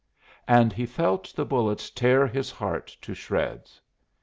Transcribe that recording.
and he felt the bullets tear his heart to shreds.